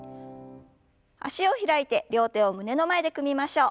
脚を開いて両手を胸の前で組みましょう。